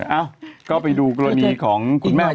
เอ้าก็ไปดูกรณีของคุณแม่